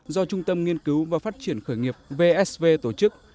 do trung tâm nghiên cứu và phát triển khởi nghiệp vsv tổ chức